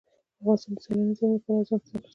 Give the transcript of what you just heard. افغانستان د سیلانی ځایونه د پلوه ځانته ځانګړتیا لري.